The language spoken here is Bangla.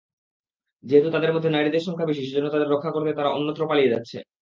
যেহেতু তাদের মধ্যে নারীদের সংখ্যা বেশি সেজন্য তাদের রক্ষা করতে তারা অন্যত্র পালিয়ে যাচ্ছে।